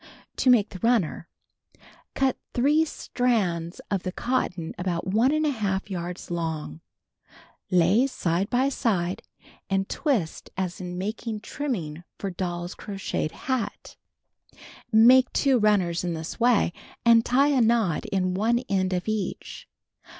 To Make the Runner: Cut 3 strands of the cotton about 1| yards long. Lay side by side and twist as in making trimming for Doll's Crocheted Hat, page 209. Make 2 runners in this way, and tie a knot in one end of each.